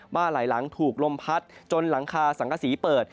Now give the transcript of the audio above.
หลายหลังถูกลมพัดจนหลังคาสังกษีเปิด